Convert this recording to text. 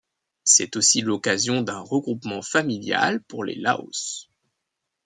C'est aussi l'occasion d'un regroupement familial pour les Laos.